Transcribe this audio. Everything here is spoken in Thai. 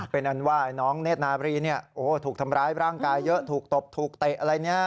เป็นอันว่าน้องเนธนาบรีถูกทำร้ายร่างกายเยอะถูกตบถูกเตะอะไรเนี่ย